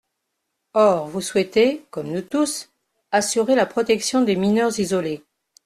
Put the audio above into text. Or vous souhaitez, comme nous tous, assurer la protection des mineurs isolés.